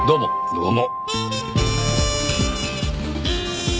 どうも！